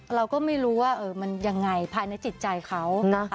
เราก็ไม่รู้ว่ามันยังไงภายในจิตใจเขานะ